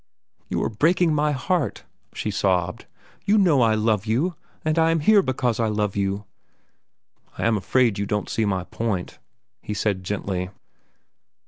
"You are breaking my heart," she sobbed. "You know I love you, that I am here because I love you." "I am afraid you don't see my point," he said gently.